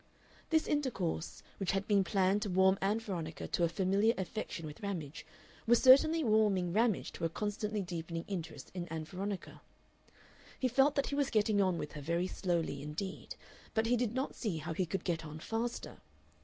This intercourse, which had been planned to warm Ann Veronica to a familiar affection with Ramage, was certainly warming Ramage to a constantly deepening interest in Ann Veronica. He felt that he was getting on with her very slowly indeed, but he did not see how he could get on faster.